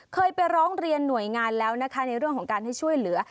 เคยไปร้องเรียนหน่วยงานแล้วนะคะในเรื่องของการให้ช่วยเหลือ